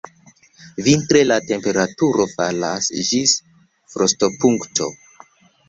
Vintre la temperaturo falas ĝis frostopunkto.